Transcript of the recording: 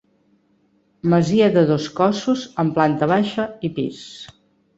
Masia de dos cossos amb planta baixa i pis.